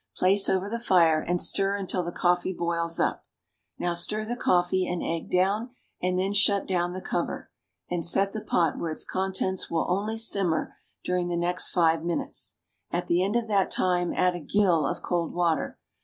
Place over the fire, and stir until the coffee boils up. Now stir the coffee and egg down, and then shut down the cover, and set the pot where its contents will only simmer during the next five minutes. At the end of that time add a gill of cold water.